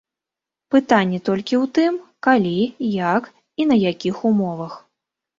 Пытанне толькі ў тым, калі, як і на якіх умовах.